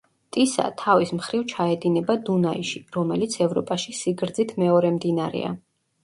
ტისა, თავის მხრივ ჩაედინება დუნაიში, რომელიც ევროპაში სიგრძით მეორე მდინარეა.